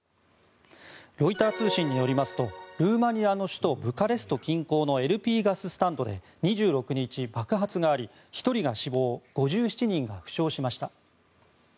ロイター通信によりますとルーマニアの首都ブカレスト近郊のＬＰガススタンドで２６日、爆発があり１人が死亡５７人が負傷しました。